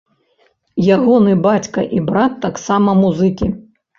Ягоны бацька і брат таксама музыкі.